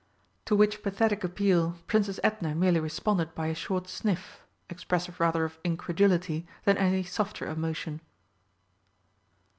To which pathetic appeal Princess Edna merely responded by a short sniff, expressive rather of incredulity than any softer emotion.